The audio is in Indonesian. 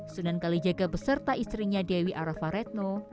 sunan kalijaga beserta istrinya dewi arafa retno